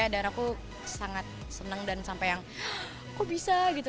dan aku sangat senang dan sampai yang kok bisa